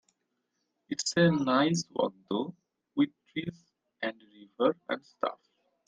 It's a nice walk though, with trees and a river and stuff.